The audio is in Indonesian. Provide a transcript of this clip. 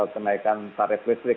kenaikan tarif listrik